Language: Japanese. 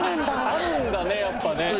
あるんだねやっぱね。